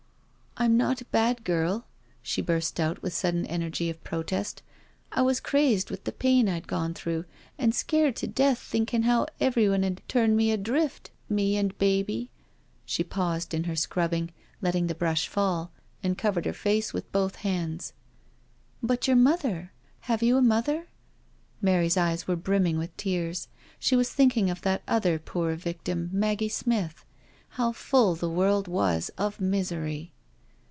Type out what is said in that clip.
"I'm not a bad girl," she burst out with sudden energy of protest. " I was crazed with the pain I'd gone through, and scared to death thinkin' how every one'ud turn me adrift — ^me and baby " She paused in her scrubbing, letting the brush fall, and covered her face with both hands. "But your mother?. .. Have you a mother?" Mary's eyes were brimming with tears. She was think ing of that other poor victim, Maggie Smith. How full the world was of misery.